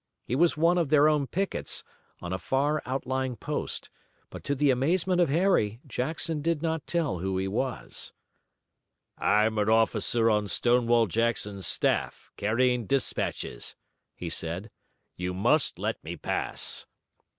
He was one of their own pickets, on a far out lying post, but to the amazement of Harry, Jackson did not tell who he was. "I'm an officer on Stonewall Jackson's staff, carrying dispatches," he said. "You must let me pass."